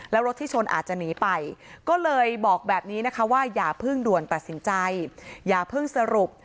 แล้วรถที่ชนอาจจะหนีไปก็เลยบอกแบบนี้นะคะว่าอย่าเพิ่งด่วนตัดสินใจอย่าเพิ่งสรุป